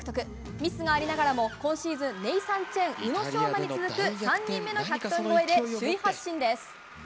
ミスがありながらも今シーズンネイサン・チェン宇野昌磨に続く３人目の１００点超えで首位発進です。